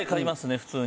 普通に。